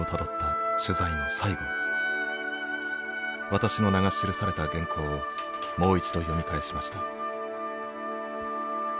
私の名が記された原稿をもう一度読み返しました。